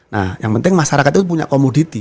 nah yang penting masyarakat itu punya komoditi